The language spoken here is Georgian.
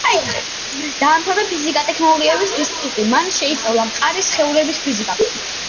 დაამთავრა ფიზიკა-ტექნოლოგიების ინსტიტუტი; მან შეისწავლა მყარი სხეულების ფიზიკა.